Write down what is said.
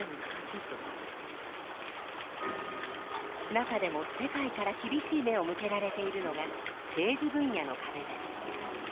中でも世界から厳しい目を向けられているのが政治分野の壁です。